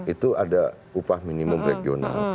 itu ada upah minimum regional